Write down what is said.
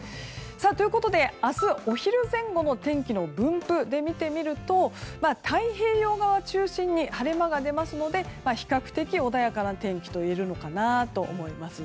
ということで明日お昼前後の天気分布で見てみると太平洋側を中心に晴れ間が出ますので比較的、穏やかな天気といえるのかなと思います。